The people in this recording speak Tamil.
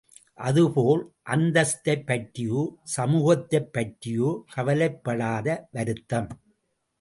அதுபோல் அந்தஸ்தைப் பற்றியோ, சமூகத்தைப் பற்றியோ கவலைப்படாத வருத்தம்.